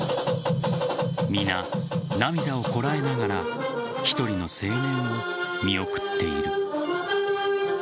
皆、涙をこらえながら１人の青年を見送っている。